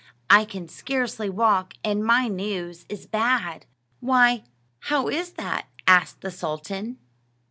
I can scarcely walk, and my news is bad!" "Why, how is that?" asked the sultan.